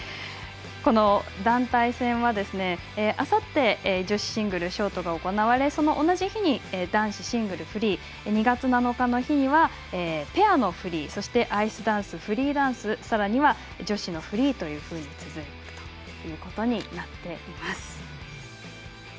団体戦はあさって女子シングルのショートが行われその同じ日男子シングルのフリー２月７日にはペアのフリーアイスダンス・フリーダンスさらには女子のフリーと続くということになっています。